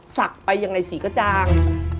สักไปยังไงสิก็จาง